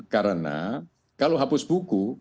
karena kalau hapus buku